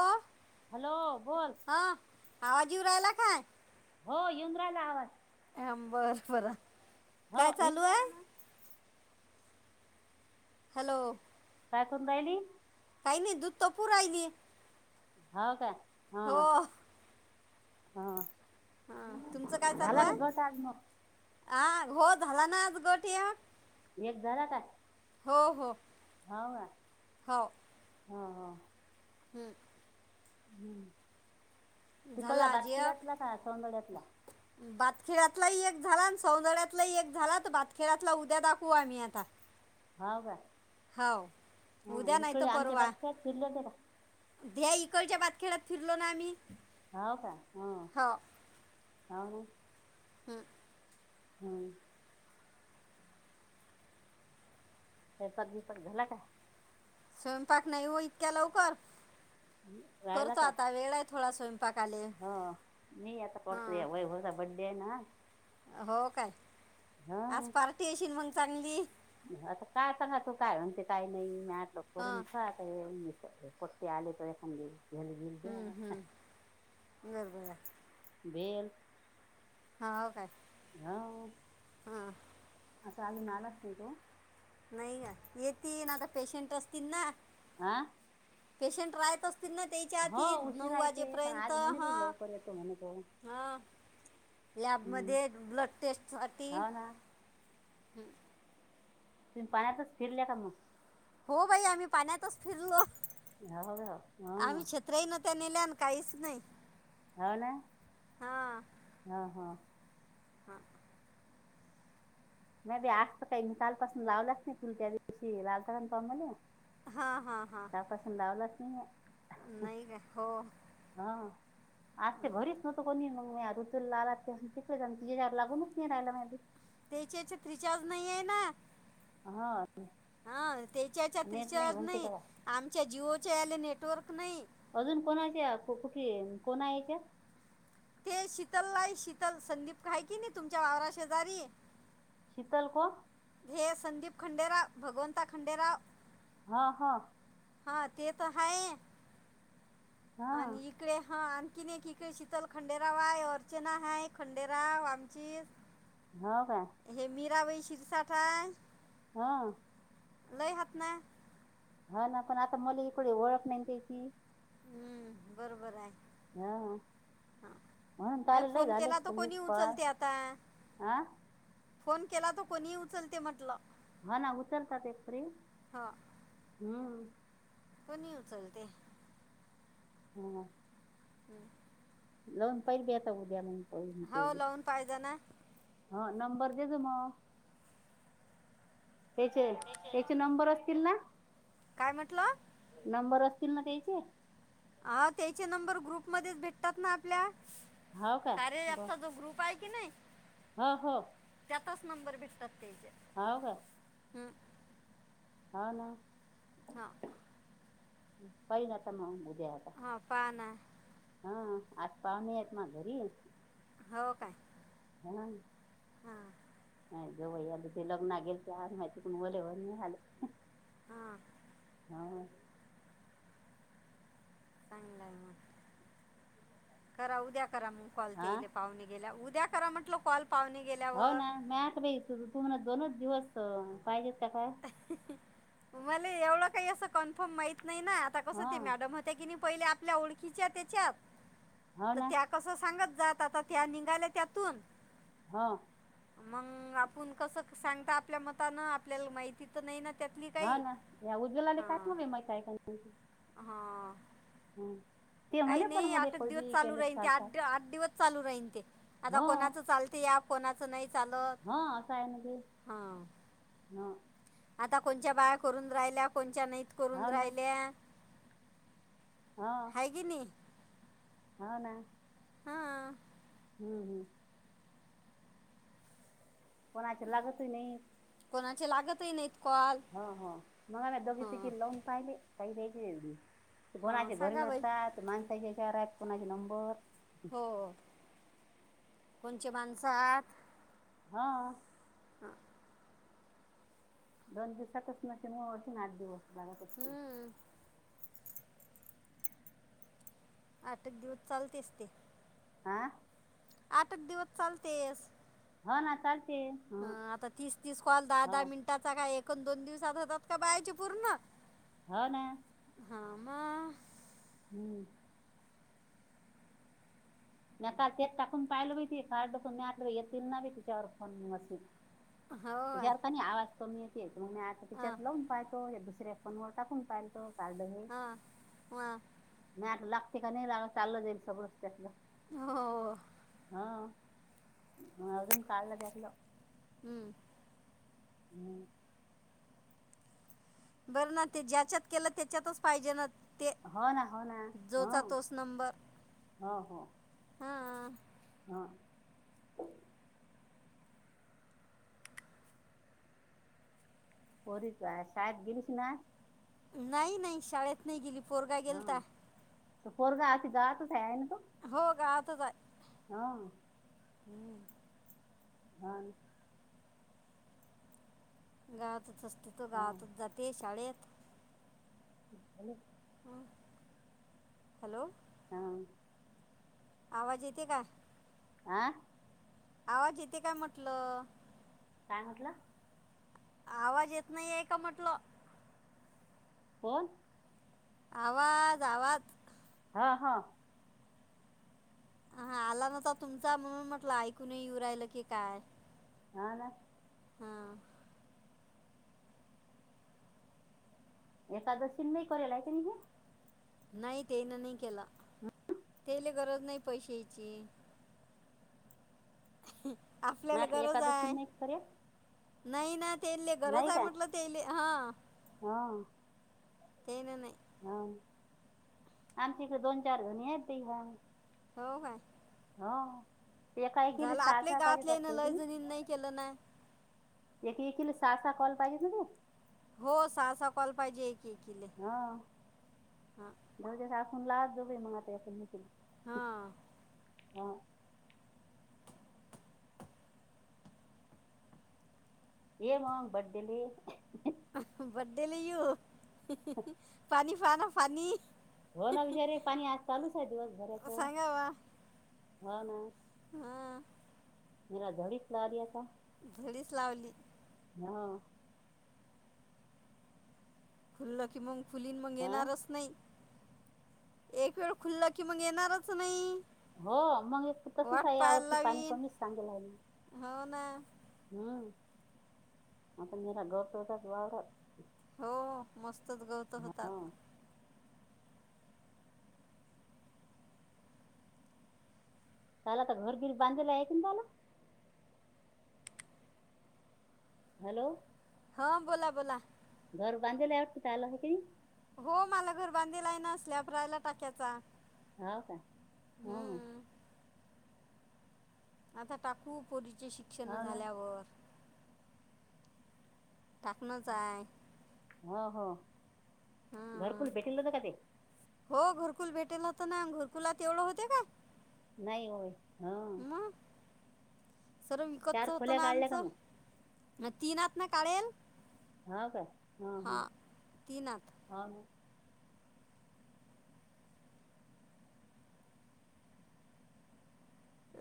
हो हॅलो बोल. हा. आवाजीव राहिला काय? हो युन राहिला आवाज. ह बर बरं. हो काय युन चालू आहे राहिला ना. हॅलो. काय करून राहिली? काही नाही दूध तापु रायली. हो का हां. हां. हां झाला का घट आज मग? ह घो झाला ना आज गोट ह्यो. एक झाला का? हो हो. हाव का? हो हम्. हम्म झाला तिकडला आज बातखिड्यातला का सोनगड्यातला? बातखेऱ्यातलाही एक झाला आणि सौंदर्यातलाही एक झाला तर बातखेऱ्यातला उद्या दाखवू आम्ही आता. हो का हो ह उद्या नाही इकडे आमच्या बातखिल्यात फिरल्या [unintelligible] ह्या इकडच्या बातखेळ्यात फिरलो ना आम्ही. होव का हो आणि. हम्म. हम्. [unintelligible] स्वयंपाक नाही हो इतक्या लवकर राहिला करतो का आता वेळ आहे थोडा स्वयं- - हो मी आता हां पडतोया वैभवचा बड्डे हाय ना [unintelligible] हो काय आज हा पार्टी अशील मग चांगली. आता काय सांगा तू काय म्हणते काय नाही मी आठ लोक हां करून खात. [unintelligible] पुढचे आले तर थांबले. हम्म हम्म बरबर. वेल हा हो काय. ह [unintelligible] हां आता अजून आलाच नाही तो, नाही का येतील ना आता पेशंट असतील ना. आ, पेशंट राहतच. न त्याच्या हो आती नऊ उशिरा येते पण वाजेपर्यंत आज म्हणे बाई हा लवकर येतो म्हणे तो हा. हम्म लॅबमध्ये ब्लड टेस्ट साठी. हो ना तुम्ही पायच फिरल्या का मग. हो बाई आम्ही पाण्यातच फिरलो. या या हा हा, ट्रेन त्या नेल्यान काहीच नाही. हाव ना हा हा, हा, नाही बी आज तर काही निकालपासून लावलाच नाही फुल त्या दिवशी लालता त मला. हा हा हा, त्या पासून लावलंच नाही म्या. नाही का हो. हा आज ते घरी. तो कोणी [unintelligible] मग म हू लालािक त लागूनच नाही राहिला. त्याच्याच्यात्रिचार्ज नाही आहे ना. हा हा त्याच्याच्या नेट रिचार्ज म्हणते का नाही. काय आमच्या जिओच्या याले नेटवर्क नाही. अजून कोणाच्या कु कुठे कोणा याच्या. ते शीतल लाई शीतल संदीप काय कि नाही तुमच्या वावरा शेजारी. शीतल को''--'' हे संदीप खंडेराव भगवंता खंडेराव. हा हा, हा ते तर हाय हा आणि ईक ''--'' इकडे हा आणखिने एक इकडे शितल खंडेराव आय अर्चना हाय खंडेराव आमची. हाव काय. हे मीरा बाई शीरसाठा हाय. हा, लय हात ना. हा ना पण आता मला इकडे ओळख नाही त्याची. हम्म बरोबर आहे. हा, हा म्हणून ए, आलेला फोन झाले केला तर कोणी पळा उचलते आता हं. फोन केला त कोणी उचलते म्हटलं. हा ना उतलतात एक फरी हा हम्म. कोणी उचलते. ह ह, हम्म. हो लावून पाहिजे ना [unintelligible] हा नंबर देत मग. ह्याचे याचे नंबर असतील ना. काय म्हटला? नंबर असतील ना त्याचे. आव त्याचे नंबर ग्रुप मध्येच भेटतात ना, आपल्या. हो का कार्या एपचा जो ग्रुप आहे की नाही. ह हो. त्यातच नंबर भेटतात त्यायचे. हाव का? ह्म्म हा ना हा. पाहिन आता म उद्या आता. हा पाहाव ना हा आज पावने आहेत म घरी हो काय हां. हां काय गं बाई आज ते लग्ना गेलते आज माहिती पण वले व आले [unintelligible] हा. हो चांगलंय मग, करा उद्या करा मग कॉल ते हा येई पावणे गेल्यावर, उद्या करा म्हटलं कॉल. पावणे गेल्या हो ना मी आता बाई तुमला दोनच दिवस पाहिजेत का काय मले एवढं काही असं कन्फर्म माहित नाही ना, आता कसं हा ते मॅडम ह ते किनी पहिले आपल्या ओळखीचे आहे त्याच्यात हो तर ना त्या असं सांगत जात, आता त्या निंघाल्या त्यातून. हा. मंग आपुण कस सांगता आपल्या मतानं आपल्याला माहिती तर नाही ना त्यातली. हा काही ना या उज्वलाले काय [unintelligible] हा. हम्म. काही नही. आठंआठ दिवस चालू राहीन ते, चालतात आठ आठ दिवस चालू राहीन ते. आता हो कोणाचं चालते या कोणाचं नही चालत. हो असं आहे ते हा. ना आता कोणच्या बाया करून राहिल्या, कोणच्या नाहीत करून हो ना राहिल्या. हा. हाय की नी. हो ना. हा. हम्म हम्म. कोणाचे लागतही नाहीत. कोणाचं लागतही नाहीत. कॉल हं-हं, मघा ना दोघी, हां तीघीना लावुन पाहिले काही द्यायचे [unintelligible] ते हां कोणाचे घरी सांगा बाई नसतात. ते माणसाचे हेच्यावर आहेत कुणाचे नंबर. हो कोणचे माणसं हात हा. हा. दोन दिवसातच नशेन म मशीन आठ दिवस लागत असतील हं, आठ एक दिवस चालतेस ते. हां? आठच दिवस चालतेस- हो ना चालते. हो हं. आता तीस तीस कॉल दहा हो दहा मिनिटाचा काय एक अन दोन दिवसात होतात का बायाचे पूर्ण? हा ना. हा. म. हम्म. म्या काल तेच टाकून पाहिलं बाई ते कार्ड टाकून. [unintelligible] वाटलं येतील माझं तिच्यावर फोन मॅसेज. हो आहे याच्यावर कनी आवाज कमी येतोय. तर मग मी आता हा तिच्यात लावून पाहतो दुसऱ्या- फोनवर टाकून पाहिलतो कार्ड हे. हा हा [unintelligible] लागत का नाही? लाग चाललं जाईल सगळंच त्यातलं. हो. हा. म अजून काढल त्यातलं. हम्म. हम्. बरं ना ते ज्याच्यात केलं त्याच्यातच पाहिजे ना? ते होना. होना. हो. जोचा तोच नंबर हो. हो. हा. हां. पोरी तुझ्या शाळेत गेलीस ना? नाही नाही. शाळेत नाही गेली. पोरगा हा गेलता. पोरगा अती गावातच आहेय ना तो? हो गावातच आहे. हां. हम्म. हा न. गावातच असतो तो. हो गावातच जातो शाळेत. झालं. हॅलो. हा. आवाज येते का? आं? आवाज येते काय म्हटलं. काय म्हटल? आवाज येत नाहिए का म्हटलं. कोण? आवाज. आवाज. हा. हा. हा. आला नव्हता तुमचा. म्हणून म्हटलं ऐकू नाई येऊ राहिलं की काय. हा ना. हा. एकादशी नाही करेल आहे का तिन? नाही तेन नाही केला. त्याले गरज नाही पैशाची. हं. आपल्याला म्हटलं गरज एकादशी हाय. नाही करेल नाही ना तेले गरज आहे म्हटलं तेले. हा. हां. तेन नाही. हाव. आमच्या इथ दोन चार जणीयेत ते घ्याव. हो काय? हो. एका एकी झालं सहा आपल्या सहा पाहिजे गावातले ना करता लय येतेनी. जणीनं नाही केलं ना एक एकील सहा कॉल पाहिजे ना ते? हो सहा सहा कॉल पाहिजे. एकीले हो. हां जाऊदेस आपण लावत जाऊ म बाई एकामेकीला. हा. येमांग बडेले. बडेला येऊ? पाणी पाना पाणी. हो ना बिचारे पाणी आज चालूच आहे दिवस भरा्याच. हो ना. ह. मेरा डी खलाारया त [unintelligible] धडीच लावली. ह. खुल्लं की मग खुलीन मग हा येणारच नाही. एक वेळ खुल्लं की मग येणारच नाही. हो मग एकत तसच हाय. या वर्ष पाणी कमीच सांगेल हाय ना. हाव ना. आता मरा गौत होतात वावरात. हो मस्तच गवत होतात. हो त्याला आता घरबिर बांधलेलं आहे की त्याला. हॅलो. हा बोला बोला. घर बांधाल आहे वाटत आलं [unintelligible] हो मला घरबांधीलायना. सल्याप रायला टाक्याचा. हा का? ह. हम्म आता टाकू पोरीचे शिक्षण हो ना झाल्यावर. टाकनच हाय. हो हो हं. घरकुल भेटल होत का ते? हो घरकुल भेटेल होत ना. घरकुला तेवढं होते का? नाही होय. ह. मग सर्व विकतच चार होतं खोल्या ना काढल्या का आमचं. मग म्या तीनात ना काढेल. हा काय? ह ह. हां तीनात हा मग.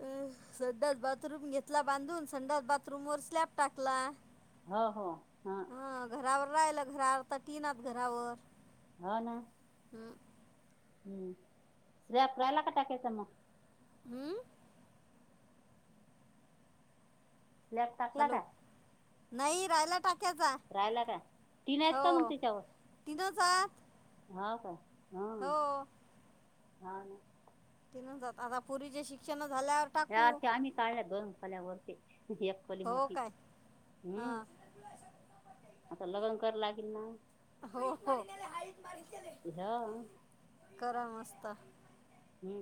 अ संडासबाथरूम घेतला बांधून. संडासबाथरूम वर स्लॅप टाकला. हो हो. ह. हा घरावर राहिला. घरावर तर तीनात घरावर. हाव ना. हम्म. हम्म स्लॅप रायला का टाकायचं म? हम्म. स्लॅप टाकला का हॅलो. नाही राहाला टाकायचा. राहिला का तीन आहेत का मग हो. तीनच अहात. हाव का? ह हो. हा ना ति नाही जात आता पोरीची शिक्षण झाल्यावर टाकू या त्या आम्ही काढल्या दोन खोल्यावरती एख पहीली हो मोठी काय हू हां आता लगन कर लागील ना हो हो, ह्या करा मस्त. हू,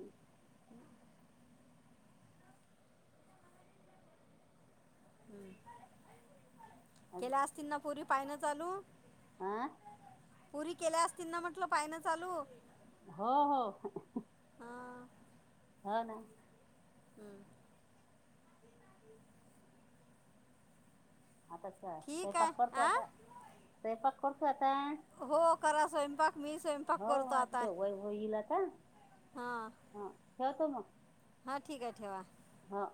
हुं अ केल आसतीन ना पोरी पाहयन चालू? आं पुरी केल्या आसतीन ना म्हटलं पाहयन चालू? हो हो, हां हो ना. हं. आता ठीक स्वयपाक आहे करतो आ आता स्वयपाक करतो आता. हो करा स्वयंपाक मी स्वयं हो आता ते व्हय व्हय येईल आता हा ठेवतो मग. हा ठीक आहे ठेवा. हं.